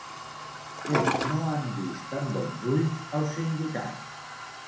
Què no han vist amb bons ulls els sindicats?